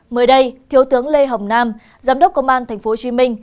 mới đây thiếu tướng lê hồng nam giám đốc công an tp hcm